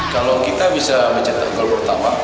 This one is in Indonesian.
kalau kita bisa mencetak gol pertama